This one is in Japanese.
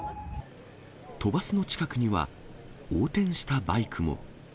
都バスの近くには、横転したバイクも。